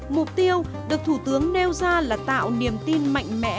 mục tiêu được thủ tướng nêu ra là tạo niềm tin mạnh mẽ